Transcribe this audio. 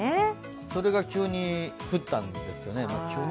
それが急に降ったんですよね。